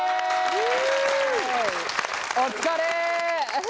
お疲れ！